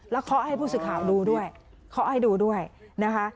เคาะให้ผู้สื่อข่าวดูด้วยเคาะให้ดูด้วยนะคะ